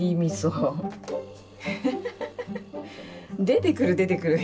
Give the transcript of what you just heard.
出てくる出てくる。